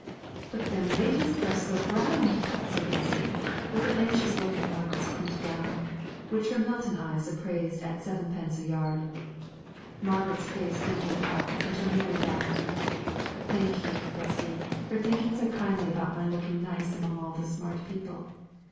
"But them ladies dress so grand!" said Bessy, with an anxious look at Margaret's print gown, which her Milton eyes appraised at sevenpence a yard. Margaret's face dimpled up into a merry laugh. "Thank you, Bessy, for thinking so kindly about my looking nice among all the smart people.